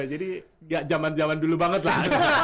jadi ya jaman jaman dulu banget lah